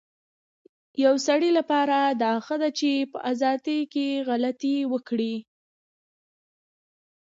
يو سړي لپاره دا ښه ده چي په ازادی کي غلطي وکړی